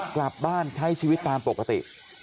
กลับบ้านใช้ชีวิตตามปกติ